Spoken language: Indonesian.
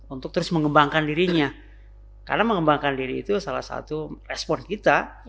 untuk terus mengembangkan dirinya karena mengembangkan diri itu salah satu respon kita